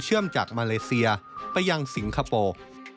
จากมาเลเซียไปยังสิงคโปร์